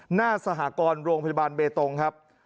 หน้าสหกรณ์โรงพยาบาลเบตงครับ